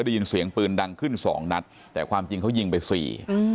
ยินเสียงปืนดังขึ้น๒นัดแต่ความจริงเขายิงไป๔